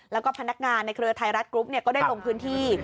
แล้วก็พนักงานในเครือไทยรัฐกรุ๊ปก็ได้ลงพื้นที่